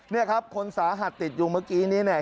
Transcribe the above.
เนี่ยครับคนสาหัสติดอยู่เมื่อกี้นี้เนี่ย